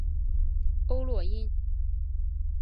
欧络因。